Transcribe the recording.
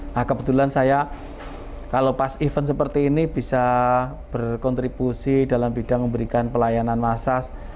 nah kebetulan saya kalau pas event seperti ini bisa berkontribusi dalam bidang memberikan pelayanan massas